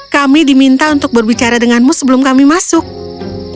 kami diminta untuk berbicara denganmu sebelum kami masuk